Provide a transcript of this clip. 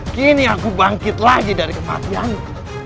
kini aku bangkit lagi dari kematianku